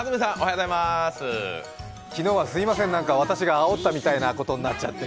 昨日はすみません、私があおったみたいなことになっちゃって。